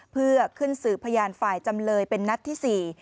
เพื่อขึ้นสื่อพยานฝ่ายจำเลยเป็นนัดที่๔